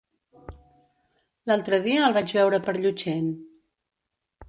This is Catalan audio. L'altre dia el vaig veure per Llutxent.